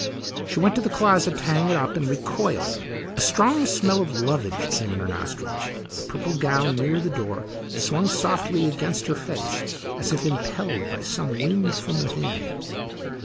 She went to the closet to hang it up and recoiled. A strong smell of lovage came in her nostrils; a purple gown near the door swung softly against her face as if impelled by some wind from within.